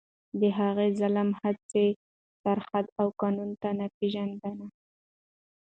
د هغه ظلم هیڅ سرحد او قانون نه پېژانده.